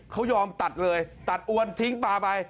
เขายอมตัดเลยตัดอวนทิ้งปลาไป